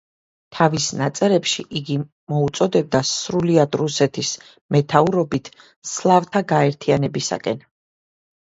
თავის ნაწერებში იგი მოუწოდებდა სრულიად რუსეთის მეთაურობით სლავთა გაერთიანებისაკენ.